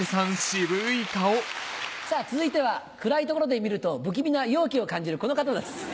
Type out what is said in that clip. さぁ続いては暗い所で見ると不気味な妖気を感じるこの方です。